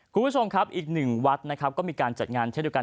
คุณผู้ชมครับอีกหนึ่งวัดนะครับก็มีการจัดงานเช่นเดียวกัน